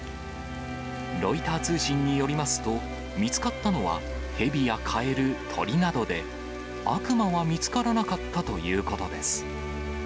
ロイター通信によりますと、見つかったのは、ヘビやカエル、鳥などで、悪魔は見つからなかったということです。